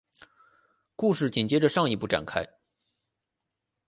故事紧接着上一部展开。